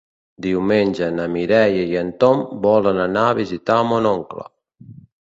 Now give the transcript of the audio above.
Diumenge na Mireia i en Tom volen anar a visitar mon oncle.